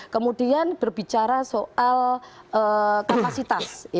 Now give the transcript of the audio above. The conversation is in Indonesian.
kemudian berbicara soal kapasitas